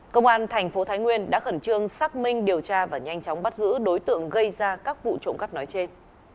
công an thành phố thái nguyên đã khẩn trương xác minh điều tra và nhanh chóng bắt giữ đối tượng gây ra các vụ trộm cắp nói trên